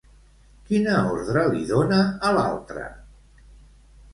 Quina ordre li dona, a l'altre?